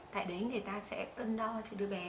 tại đấy người ta sẽ cân đo cho đứa bé